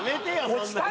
そんなの。